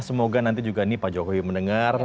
semoga nanti juga nih pak jokowi mendengar